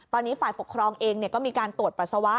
ตอนนี้ฝ่ายปกครองเองก็มีการตรวจปัสสาวะ